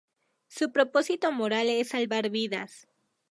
Su propósito moral es salvar vidas.